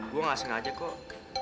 gue gak sengaja kok